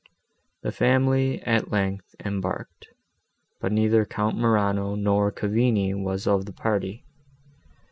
The family at length embarked, but neither Count Morano, nor Cavigni, was of the party.